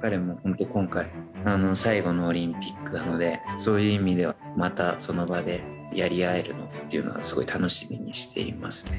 彼も今回、最後のオリンピックなので、そういう意味では、また、その場でやり合えるのっていうのは、すごい楽しみにしていますね。